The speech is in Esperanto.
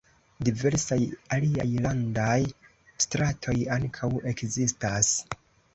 Diversaj aliaj landaj stratoj ankaŭ ekzistas.